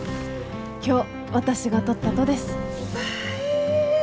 今日私が撮ったとです。ばえー！